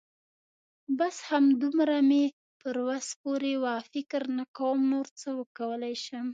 بس همدومره مې پر وس پوره وه. فکر نه کوم نور څه وکولای شم.